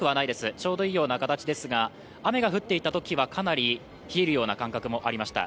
ちょうどいいような形ですが、雨が降っていたときはかなり冷えるような感覚もありました。